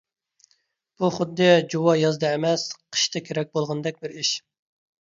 بۇ خۇددى جۇۋا يازدا ئەمەس، قىشتا كېرەك بولغىندەك بىر ئىش.